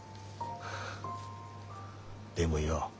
でもよ